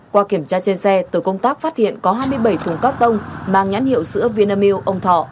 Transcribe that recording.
qua kiểm tra trên xe tổ công tác phát hiện có hai mươi bảy thùng các tông mang nhãn hiệu sữa vinamilk ông thọ